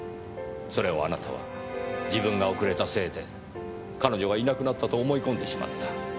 それをあなたは自分が遅れたせいで彼女がいなくなったと思い込んでしまった。